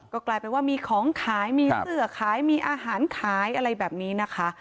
ก็กลายเป็นว่ามีของขายมีเสื้อขายมีอาหารขายอะไรแบบนี้นะคะ